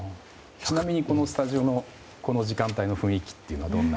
ちなみにスタジオのこの時間帯の雰囲気というのは？